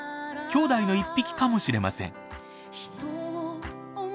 きょうだいの１匹かもしれません。